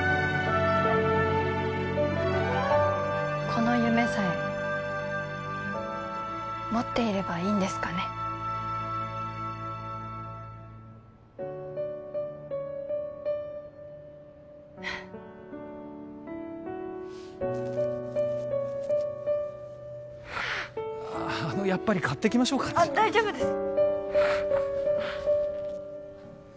この夢さえ持っていればいいんですかねあのやっぱり買ってきましょうか大丈夫です